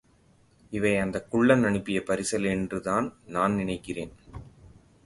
இவை அந்தக் குள்ளன் அனுப்பிய பரிசல் என்று தான் நான் நினைக்கிறேன்.